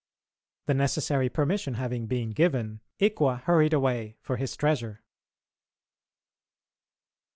The necessary permission having been given, Ikwa hurried away for his treasure.